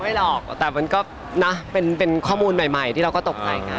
หรอกแต่มันก็นะเป็นข้อมูลใหม่ที่เราก็ตกแต่งงาน